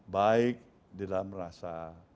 baik di dalam rasa